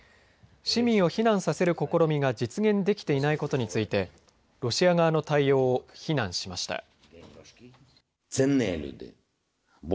市民を避難させる試みが実現できていないことについてロシア側の対応を非難しました。